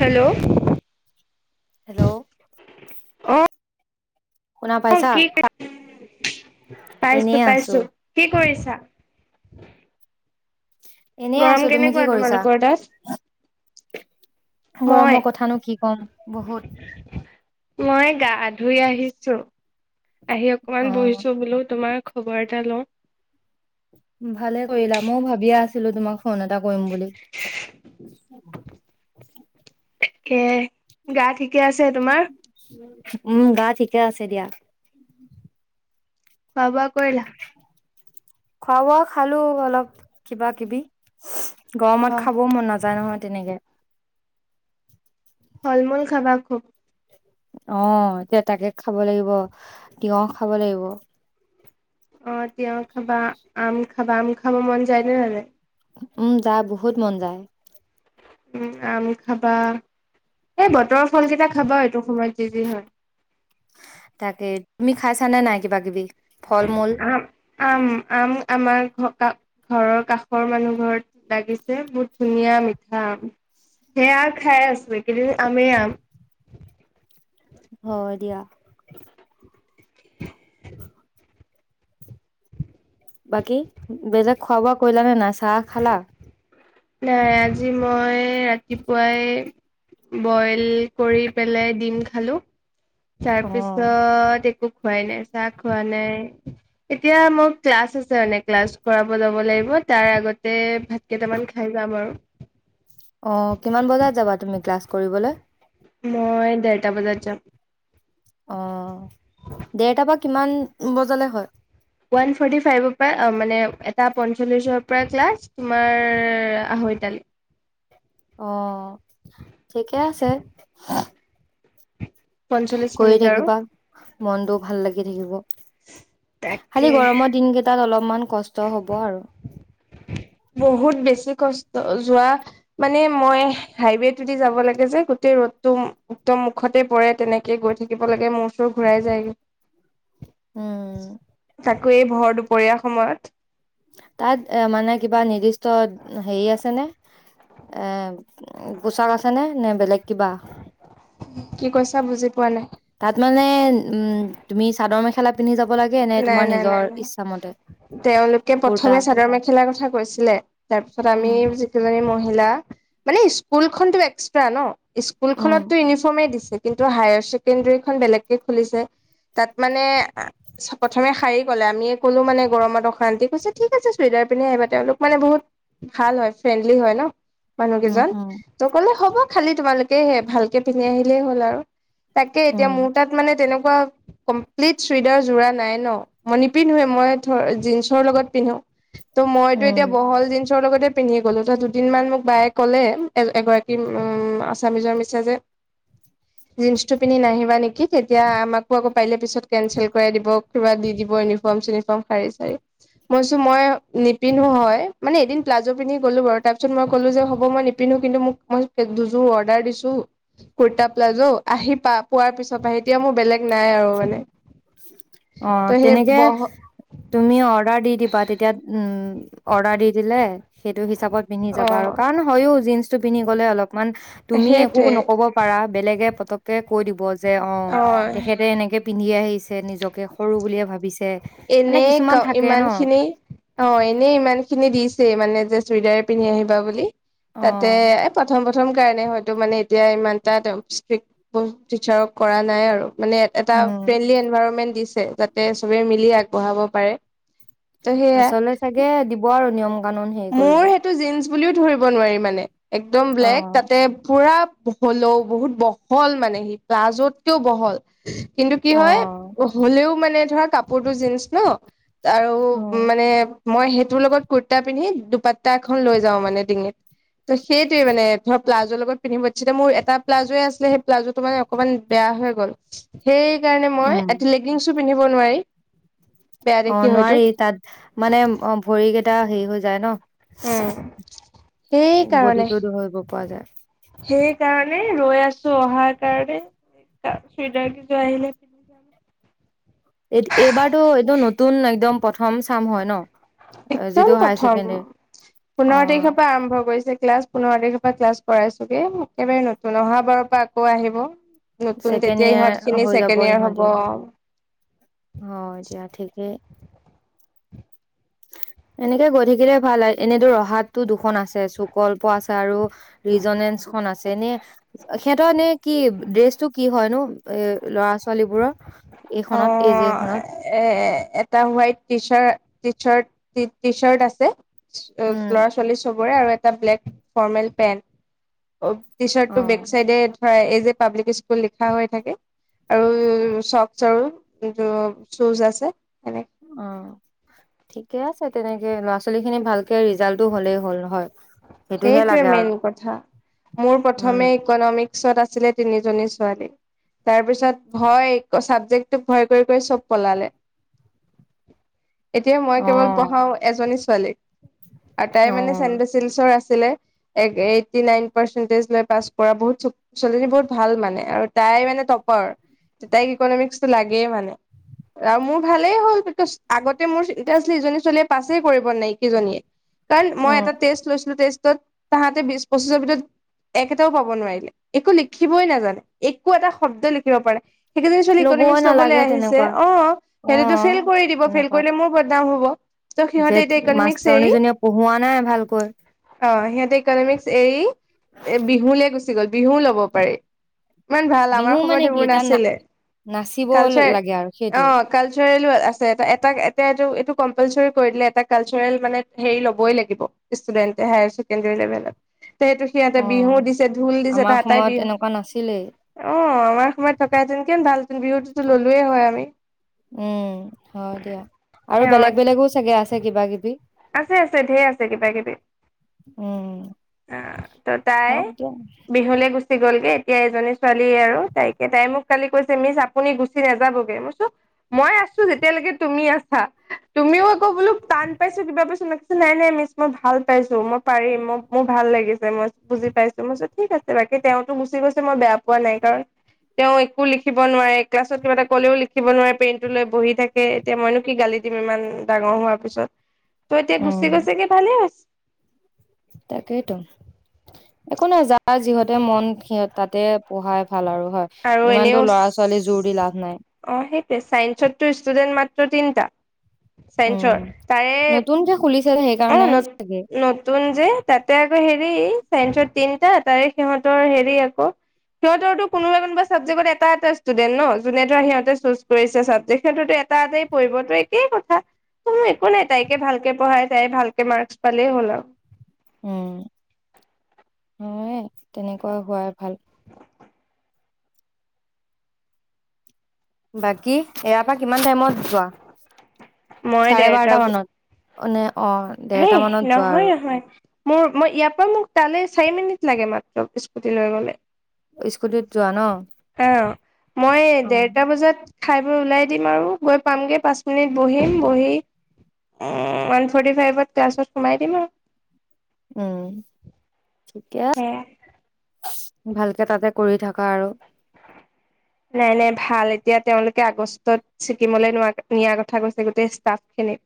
Hello hello অ কি ক পাইছো এনেই আছো পাইছো কি কৰিছ চা এনেই আছো গৰম তুমি কি কেনেকুৱা কৰিছা তোমালোকৰ তাত মই গৰমৰ কথানো কি কম বহুত মই গা ধুই আহিছো আহি অকমান অ বহিছো বোলো তোমাৰ খবৰ এটা লওঁ ভালে কৰিলা ময়ো ভাবিয়া আছিলো তোমাক ফোন এটা কৰিম বুলি কে গা ঠিকে আছে তোমাৰ উম গা ঠিকে আছে দিয়া খোৱা বোৱা কৰিলা খোৱা বোৱা খালো অলপ কিবা কিবি গৰমত অ খাবও মন নাযায় নহয় তেনেকে ফল মূল খাবা খুব অ এ তাকে খাব লাগিব তিয়হ খাব লাগিব অ তিয় খাবা আম খাবা আম খাব মন যায়নে নাযায় উম যা বহুত মন যায় উম আম খাবা এই বতৰৰ ফলকেইটা খাবা এইটো সময়ত যি যি হয় তাকে তুমি খাইছ নে নাই কিবা কিবি ফল মূল আ আম আম আমাৰ ঘ কা ঘৰৰ কাষৰ মানুহ ঘৰত লাগিছে বহুত ধুনীয়া মিঠা আম সেয়া খাই আছো এইকেইদিন আমেই আম হয় দিয়া [inaudible] বাকী বেলগ খোৱা বোৱা কৰিলা নে নাই চাহ খালা নাই আজি মই ৰাতিপুৱাই বইল কৰি পেলাই ডিম খালো অ তাৰপিছত খোৱাই নাই চাহ খোৱা নাই এতিয়া মোৰ ক্লাছ আছে মানে ক্লাছ কৰাব যাব লাগিব তাৰ আগতে ভাত কেইটামান খাই যাম আৰু অ কিমান বজাত যাবা তুমি ক্লাছ কৰিবলৈ এটা বজাত যাম অ দেৰটাৰ পৰা কিমান বজালে হয় ওৱান ফৰ্টি ফাইভৰ পৰা মানে এটা পঞ্চলিচৰ পৰা ক্লাছ তোমাৰ আঢ়ৈটালৈ অ ঠিকে আছে পঞ্চল্লিছ কৰি মিনিট আৰু থাকিবা মনটোও ভাল লাগি থাকিব তাকে খালি গৰমৰ দিন কেইটাত অলপ ইমান কষ্ট হ'ব আৰু বহুত বেছি কষ্ট যোৱা মানে মই হাইৱেটো দি যাব লাগে যে গোটেই ৰ'দটো উত্তম মুখতে পৰে তেনেকে গৈ থাকিব লাগে মোৰ ওচৰত ঘূৰাই যায়গৈ উম, তাকে ভৰ দুপ পৰিয়াৰ সময়ত তাত এ মানে কিবা নিৰ্দিষ্ট হেৰি আছে নে এ পোছাক আছে নে নে বেলেগ কিবা? কি কৈছা বুজি কোৱানাই তাত মানে উম তুমি চাদৰ মেখেলা পিন্ধি যাব লাগে নে নাই তোমাৰ নাই নিজৰ নাই নাই ইচ্ছামতে? তেওঁলোকে কুৰ্তা প্ৰথমে চাদৰ মেখেলাৰ কথা কৈছিলে তাৰ পিছত আমি উম, যিকিজনী মহিলা [unintelligible] মানে স্কুলখনতো এক্সট্ৰা ন উম, স্কুলখনতো ইউনিফৰ্মেই দিছে কিন্তু হায়াৰ ছেকেণ্ডাৰী খন বেলেগকে খুলিছে তাত মানে প্ৰথমে শাৰী ক'লে আমিয়ে ক'লো মানে গৰমত অশান্তি কৈছে ঠিক আছে চুৰিদাৰ পিন্ধি আহিবা তেওঁলোক মানে বহুত ভাল হয় ফ্ৰেণ্ডলি হয় ন মানুহ উম, কেইজন উম, ত কলে হব খালি তোমালোকে ভালকে পিন্ধি আহিলেই হ'ল আৰু তাকে এতিয়া উম, মোৰ তাত মানে তেনেকুৱা ৱা কলপ্লিট চুৰিদাৰ জোৰা নাই ন মই নিপিন্ধোৱে মই জিনচৰ লগত পিন্ধো ত' মইতো উম, এতিয়া বহল জিনচ ৰ লগতে পিন্ধি গলোঁ ত দুদিনমান মোক বায়ে ক'লে এগৰাকী আছামিজৰ মিছেজে জিনচটো পিন্ধি নাহিবা নেকি? তেতিয়া আমাকো আকৌ পাৰিলে পিছত কেনচেল কৰিব দিব কিবা দি দিব ইউনিফৰ্ম চিউনিফৰ্ম শাড়ী চাড়ী মই কৈছো মই নিপিন্ধো হয় মানে এদিন প্লাজ পিন্ধি গলোঁ বাৰু তাৰপিছত মই কলো যে হ'ব মই নিপিন্ধো কিন্তু মোক দুযোৰ অৰ্ডাৰ দিছো কূৰ্তা প্লাজ আহি পা পোৱাৰ পিছৰ পৰাহে এতিয়া মোৰ বেলেগ নাই আৰু মানে অ ত' সেই তেনেকে বহ তুমি অৰ্ডাৰ দি দিবা তেতিয়া উম অৰ্ডাৰ দি দিলে টো হিচাপত পিন্ধি যাবা আৰু অ' কাৰণ হয় জিনছটো পিন্ধি গ'লে অলপমান তুমি একো সেইটোৱে নকব পাৰা বেলেগে প কৈ দিব যে অ তেখেতে এনেকে পিন্ধি আহিছে নিজকে সৰু বুলিয়ে ভাবিছে এনে মানে ক কিছুমান থাকে ন ইমান খিনি অ এনে ইমান খিনি দিছেই মানে চুৰিদাৰ পিন্ধি আহিবা বুলি অ তাতে এ প্ৰথম প্ৰথম প্ৰথম কাৰণে হয়তো মানে এতিয়া ইমান এটা টা ষ্ট্ৰিক্ টিচাৰক কৰা নাই আৰু মানে এটা উম ফ্ৰেণ্ডলি এনভাইৰনমেন্ট দিছে যাতে সবে মিলি আগবঢ়াব পাৰে ত' সেয়া পাছলে চাগে দিব আৰু নিয়ম কানুন হেৰি কৰিব মোৰ সেইটো জীনছ বুলিও ধৰিব নোৱাৰি মানে একদম অ ব্লেক তাতে পুৰা বহলেও বহুত বহল মানে সি প্লাজতকেও বহল কিন্তু কি অ হয় হ'লেও মানে ধৰা‌ কাপোৰটো জিনচ ন আৰু অ মানে মই সেইটোৰ লগত কূৰ্তা পিন্ধি দুপাতটা এখন লৈ যাওঁ মানে ডিঙিত ত সেইটোৱে মানে ধৰ প্লা জ লগত পিন্ধিব দিছিলে মোৰ এটা প্লাজোয়ে আছিলে সেই প্লাজোটো মানে অকনমান বেয়া হৈ গ'ল সেই ইয়াৰ কাৰনে মই এটি উম লেগীনচো পিন্ধিব নোৱাৰি বেয়া অ দেখি হয়তো নোৱাৰি তাত মানে অ ভৰি কেইটা টা হেৰি হৈ যায় ন উম সেই কাৰণে বডিটো ধৰিব পৰা সেই যায় সেইকাৰণে ৰৈ আছো অহাৰ কাৰণে চুৰিদাৰ কেইযোৰ আহিলে পিন্ধি যাম এইবাৰতো একদম নতুন একদম প্ৰথ ম চাম হয় ন একদম যিটো হায়াৰ প্ৰথম ছেকেণ্ডাৰী অ পোন্ধৰ তাৰিখৰ পৰা আৰম্ভ কৰিছে ক্লাছ পোন্ধৰ তাৰিখ মই ক্লাছ কৰাইছোগে একেবাৰে নতুন অহা বাৰৰ পৰা আকৌ আহিব নতুন ছেকেণ্ড তেতিয়া ইহঁত ইয়োৰ খিনি হৈ যাব ছেকেণ্ড ইয়েৰ হ'ব ইহতি অ হয় এতিয়া ঠিকেই এনেকে গৈ থাকিলে ভাল এনেতো ৰহাতটো দুখন আছে চুকল্প আছে আৰু ৰিজনেঞ্চখন আছে এনে সিহঁতৰ এনে কি ড্ৰেচ টো কি হয় নো এ ল'ৰা ছোৱালীবোৰৰ অ এইখনত এই যে এইখনত এ এটা white T shirt T shirt T shirt আছে উম ল'ৰা ছোৱালী চব চবৰে আৰু এটা ব্লেক ফৰ্মেল পেনট অ টি চাৰ্ট অ টো বেক চাইডে ধৰা যে পাব্লিক স্কুল লিখা হৈ থাকে আৰু চাৰ চুজ আছে এনে অ ঠিকে আছে তেনেকে ল'ৰা ছোৱালী খিনি ভালকে ৰিজাল্টটো হ'লেই হ'ল হয় সেইটোহে সেইটোৱে লাগে আৰু মেইন কথা মোৰ উম প্ৰথমে ইকনমিক ওচৰত আছিলে তিনিজনী ছোৱালী তাৰ পিছত ভয় চাবজেক্টটোক ভয় কৰি কৰি চব পলালে এতিয়া মই অ কেৱল পঢ়াও এজনী ছো ছোৱালী আৰু তাই অ মানে চেনভেচেলছৰ আছে আছিলে এইটি নাইন পাৰ্চটেজ লৈ পাছ কৰা বহুত ছোৱালীজনী বহুত ভাল মানে আৰু তাই মানে টপাৰ তাইক ইকনমিকসটো লাগেই মানে আৰু মোৰ ভালেই হল আগতে মোৰ চিন্তা আছিল ইজনী ছোৱালীয়ে পাছে কৰিব নাইকেইজনীয়ে কাৰণ মই উম এটা টেষ্ট লৈছিলো তেষ্ট তাহাঁতে বিশ পঁচিছৰ এক এটাও পাব নোৱাৰিলে একো লিখিবই নাজানে একো এটা শব্দ লিখিব পাৰে সেইকেইজনী ছোৱালী ল'বই ইকনমিক্স লবলৈ নালাগে আহিছে তেনেকুৱা অ অ সিহঁতেতো ফেইল কৰি দিব ফেইল তেনেকুৱাত কৰিলে মোৰ বদনাম হ'ব ত যে সিহঁতে এতিয়া ইকনমিক্স এৰি মাষ্টৰণীজনীয়ে পঢ়ুৱোৱা নাই ভালকৈ অ সিহঁতে ইকনমিক্স এৰি বিহুলৈ গুচি গ'ল বিহু লব পাৰে ইমান ভাল, আমাৰ বিহু সময়ত মানে কি সেইবোৰ তাত না নাছিলে নাচিব কালচাৰেল লাগে আৰু অ সেইটোৱে কালচাৰেলোও আছে এটা এটাক এইটো। [inaudible] কম্পালচৰি কৰি দিলে এটা কালচাৰেল মানে হেৰি ল'বই লাগিব ষ্টুডেন্ট এ। হায়াৰছেকেণ্ডৰী লেভেলত তে সিহঁতে অ বিহু দিছে ঢোল দিছে আমাৰ আটাই সময়ত বিহু এনেকুৱা নাছিলেই অ আমাৰ সময়ত থকাহঁতেন কিমান ভাল বিৰতি ললি হয় আমি উম হয় দিয়া আৰু অ', বেলেগ বেলেগো চাগে আছে? কিবা কিবি। আছে আছে ধেৰ আছে কিবা কিবি। উম অ ত তাই হওক দিয়া বিহুলে গুচি গ'লগে। এতিয়া এজনী ছোৱালী আৰু তাইকে চাই আৰু মিছ আপুনি গুচি নযাবগে। মই কৈছো, মই আছোঁ যেতিয়ালৈকে তুমি আছা, তুমিও আকৌ বোলো টান পাইছা নে [unintelligible] নাই নাই মিছ মই ভাল পাইছোঁ। মই পাৰিম ম মোৰ ভাল লাগিছে। মই বুজি পাইছোঁ। মই কৈছো ঠিক আছে। বাকী তেওঁতো গুচি গৈছে মই বেয়া পোৱা নাই। কাৰণ, তেওঁ একো লিখিব নোৱাৰে, ক্লাছত কিবা এটা কলেও লিখিব নোৱাৰে, পেইনটো লৈ বহি থাকে। এতিয়া মইনো কি গালি দিম ইমান ডাঙৰ হোৱাৰ পিছত। তই এতিয়া উম গুচি গৈছগে ভালে হৈছে। তাৰ যিহঁতে, মন সি তাতে পঢ়াত আৰু এনেও জোৰ দি লাভ নাই অ' সেইটোৱে চাইন্সতো ষ্টুডেন্ট মা তিনিটা। চাইঞ্চৰ উম তাৰে, নতুনকে খুলিছে অ' সেইকাৰণে চাগে নতুন যে, তাতে আকৌ হেৰি সেই চাইঞ্চত তিনটা তাৰে সিহঁতৰ হেৰি আকৌ সিহঁতৰ টো কোনোবা কোনোবা চাবজেক্টত এটা এটা ষ্টুডেণ্ট ন'। যোনে ত' সিহঁতে চুজ কৰিছে চাবজেক্ট সেইটোত এটা এটাই পৰিব ত' একেই কথা। কোনো একো নাই, তাইকে ভালকে পঢ়াই তাই ভালকে মাৰ্কচ পালেই হ'ল আৰু। উম, হয়। তেনেকুৱা হোৱাই ভাল। বাকী ইয়াৰ পৰা কিমান টাইমত ৱা! চাৰে বাৰটা মানত। [unintelligible] সেই দেৰটা মানত যোৱা নহয় আৰু নহয়, মোৰ ইয়াৰ পৰা মোক তালৈ চাৰি মিনিট। লাগে মাত্ৰ, স্কুটি লৈ গ'লে। স্কুটিত যোৱা ন অ'! মই অ। ডেৰটা বজাত খাই বৈ ওলাই দিম আৰু গৈ পামগে, পাঁচ মিনিট বহিম, বহি ওৱান ফৰ্টি ফাইভত ক্লাছত সোমাই দিম আৰু। উম! কিয়? সেয়া। [unintelligible] ভালকে তাতে কৰি থাকা আৰু। নাই নাই ভাল, এতিয়া তেওঁলোকে আগষ্টত ছিকিমলৈ নিয়াৰ কথা কৈছে গোটেই ষ্টাফ খিনিক।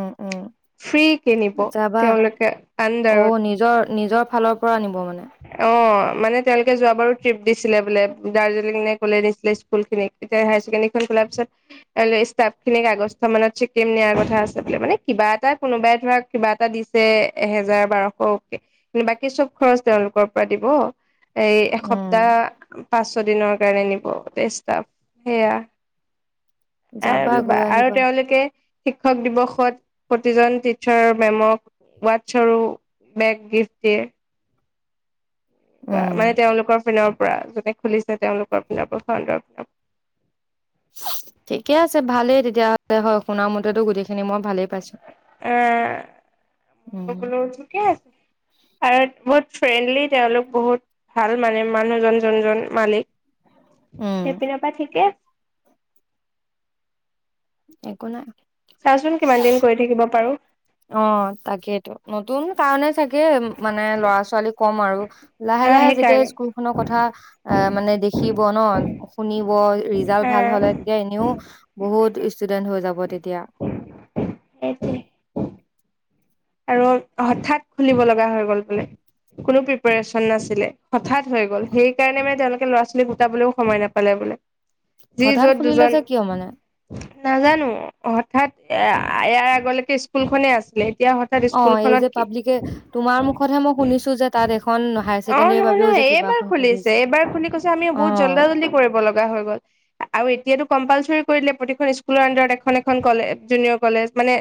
উম, উম, নিব যাবা তেওঁলোকে আণ্ডাৰত। অ' নিজৰ নিজৰ, ফালৰ পৰা আনিব মানে। অ' মানে, তেওঁলোকে যোৱবাৰো ট্ৰিপ দিছিলে বোলে, দাৰ্জিলিঙ নে ক'লে নিছিলে স্কুল খিনিক। এতিয়া, হাইয়াৰ ছেকেণ্ডৰীখন খোলাৰ পিছত ষ্টাফ খিনিক আগষ্ট মানত ছিকিম নিয়াৰ কথা আছে বোলে। মানে, কিবা এটা কোনোবাই ধৰক কিবা এটা দিছে, এহেজাৰ বাৰশকে কিন্তু, বাকী চব খৰচ তেওঁলোকৰ পৰা দিব। এই উম এসপ্তাহ পাঁচ ছ দিনৰ কাৰণে নিব [unintelligible] সেয়া। এ যাবা গৈ আৰু আহিবা তেওঁলোকে শিক্ষক দিৱসত প্ৰতিজন টিচাৰ মেমক ৱাটছ আৰু বেগ গিফ্ট দিয়ে। বা উম মানে তেওঁলোকৰ পিনৰ [unintelligible] যোনে খুলিছে তেওঁলোকৰ [unintelligible] সৰ প ঠিকে আছে ভালেই তেতিয়া হ'লে হয়, শুনা মতেতো গোটেই খিনি মই ভালেই পাইছো। এ মই উম বোলো ঠিকে আছে। আৰু বহুত ফ্ৰেণ্ডলি তেওঁলোক বহুত ভাল মানে মানুহজন যোনজন মালিক উম সেই পিনৰ পৰা ঠিকে। একো নাই। চাওচোন কিমান দিন [unintelligible] কৰি থাকিব পাৰো অ তাকেইতো নতুন কাৰনে চাগে মানে লৰা ছোৱালী কম আৰু লাহে আহ লাহে যেতিয়া সেইকাৰণে স্কুল খনৰ কথা এ মানে দেখি। ব ন [inaudible] শুনিব ৰিজাল্ট ভাল আহ হলে তেতিয়া এনেও। বহুত [inaudible] ষ্টুডেণ্ট হৈ যাব তেতিয়া, আছ [inaudible] হঠাৎ খুলিব লগা হৈ গল বোলে কোনো প্ৰিপচন নাছিলে হঠাত। হৈ গ'ল সেইকাৰণে মান তে। ল'ৰা-ছোৱালী গোটাবলৈও সময় নাপালে বোলে। যি হঠাৎ যত খুলিলে দুজন যে কিয় মানে নাজানো হঠাৎ। এ ইয়াৰ আগলৈকে স্কুল খনে আছিলে এতিয়া হঠাৎ। [unintelligible] অ এই যে পাব্লিকে তোমাৰ মুখতহে মই শুনিছো যে তাত এখন হায়াৰ ছেকেণ্ডৰীৰ বাবেও নহয়-নহয় যে কিবা এইবাৰ এখন খুলিছে এইবাৰ খুলি কৈছে আমি বহুত অ', [unintelligible] কৰিব লগা হৈ গল আৰু এতিয়া টো কম্পালচৰি কৰি দিলে প্ৰতিখন স্কুলৰ উণ্ডাৰত এখন এখন কলে জুনিয়ৰ কলেজ মানে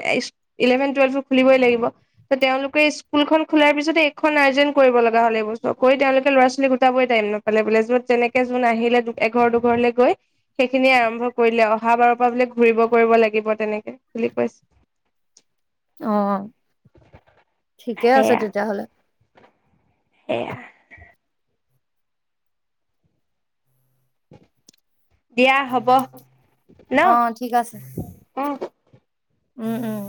ইলেভেন টুৱেল্ভো খুলিবই লাগিব। ত তেওঁলোকে স্কুলখন খোলাৰ পিছতে এইখন আৰ্জেন কৰিব লগা হলে এই্তৈ তেওঁলোকে ল'ৰা ছোৱালীক গোটাবই টাইম নাপালে বোলে যত তেনেকে যোন আহিলে এঘৰ দুঘৰলে গৈ সেইখিনিয়ে আৰম্ভ কৰিলে অহা বাৰৰ পৰা বোলে ঘূৰিব কৰিব লাগিব তেনেকে বুলি কৈছে। অ ঠিকে আছে সেয়া তেতিয়াহলে [unintelligible] [inaudible] দিয়া হ'ব ন অ', অ উম-উম